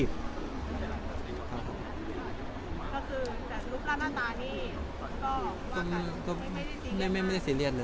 ก็คือแต่รูปร่างหน้าตานี่ก็ว่ากันไม่ได้ซีเรียสเลย